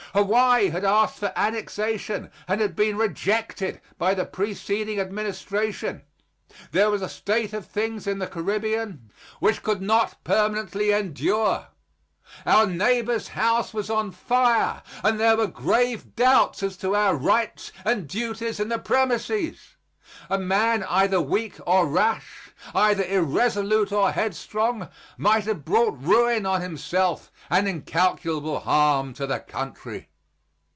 Hawaii had asked for annexation and had been rejected by the preceding administration. There was a state of things in the Caribbean which could not permanently endure. Our neighbor's house was on fire, and there were grave doubts as to our rights and duties in the premises. A man either weak or rash, either irresolute or headstrong, might have brought ruin on himself and incalculable harm to the country.